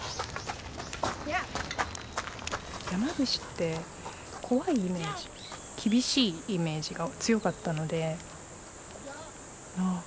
山伏って怖いイメージ厳しいイメージが強かったのでああ